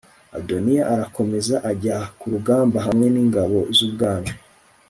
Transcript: adoniya arakomeza ajya ku rugamba hamwe n'ingabo z'ubwami